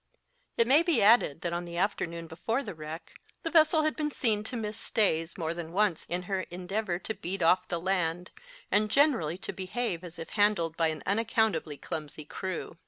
It may be added that on the afternoon before the wreck, the vessel had been seen to miss stays more than once in her endeavour to beat off the land, and generally to behave as if handled by an unaccountably clumsy crew.